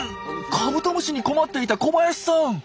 カブトムシに困っていた小林さん？